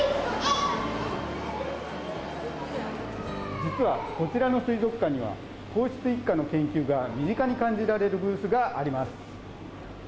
実は、こちらの水族館には、皇室一家の研究が身近に感じられるブースがあります。